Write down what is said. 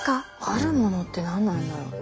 あるものって何なんだろう？